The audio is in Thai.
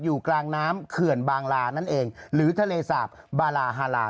อยู่กลางน้ำเขื่อนบางลานั่นเองหรือทะเลสาบบาลาฮาลา